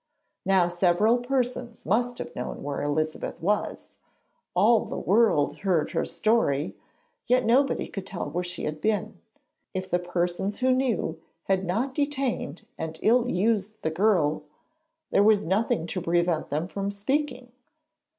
Now several persons must have known where Elizabeth was; all the world heard her story, yet nobody told where she had been. If the persons who knew had not detained and ill used the girl, there was nothing to prevent them from speaking.